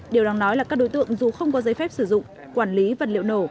điều đáng nói là các đối tượng dù không có giấy phép sử dụng quản lý vật liệu nổ